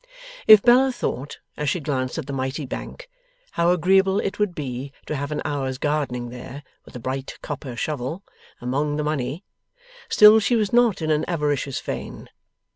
If Bella thought, as she glanced at the mighty Bank, how agreeable it would be to have an hour's gardening there, with a bright copper shovel, among the money, still she was not in an avaricious vein.